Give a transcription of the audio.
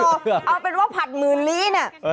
เอาเป็นว่าผัดหมื่นลีเนี่ย